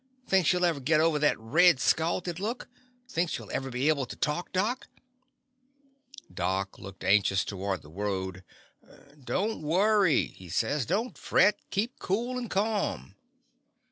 Think she '11 ever git over that red, scalded look? Think she '11 ever be able to talk. Doc?" Doc looked anxious toward the road. "Don't worry," he says. "Don't fret. Keep cool and ca'm."